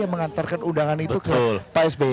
dia mengantarkan undangan itu ke psb